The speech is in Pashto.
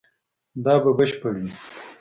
دا به بشپړ وي